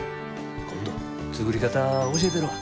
今度作り方教えたるわ。